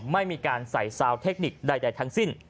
ไม่มีการใส่ซาวเทคนิคใดทั้งสิ้น